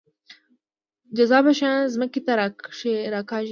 جاذبه شیان ځمکې ته راکاږي